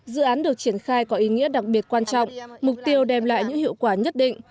dự án được triển khai có ý nghĩa đặc biệt quan trọng mục tiêu đem lại những hiệu quả nhất định